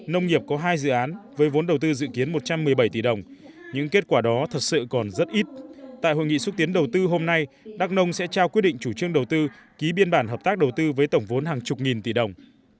nông nghiệp có hai dự án với vốn đầu tư dự kiến một trăm một mươi bảy tỷ đồng những kết quả đó thật sự còn rất ít tại hội nghị xúc tiến đầu tư hôm nay đắk nông sẽ trao quyết định chủ trương đầu tư ký biên bản hợp tác đầu tư với tổng vốn hàng chục nghìn tỷ đồng